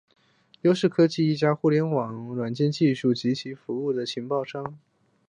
优视科技是一家移动互联网软件技术及应用服务提供商。